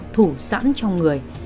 thủ sẵn trong người